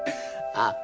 ああ！